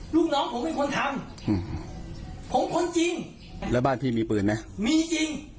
ลูกน้องผมเป็นคนทำผมคนจริงแล้วบ้านพี่มีปืนไหมมีจริง